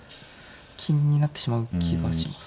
金になってしまう気がします。